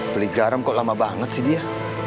beli garam kok lama banget sih dia